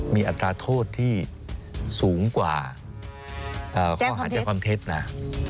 มีอัตราโทษที่สูงกว่าข้อหาแจ้งความเท็จนะ